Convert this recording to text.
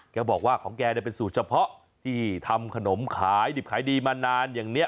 แกบอกว่าของแกเป็นสูตรเฉพาะที่ทำขนมขายดิบขายดีมานานอย่างนี้